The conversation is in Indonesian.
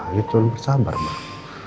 ya tolong bersabar mak